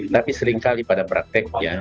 tapi seringkali pada prakteknya